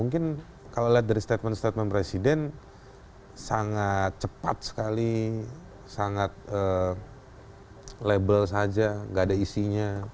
mungkin kalau lihat dari statement statement presiden sangat cepat sekali sangat label saja gak ada isinya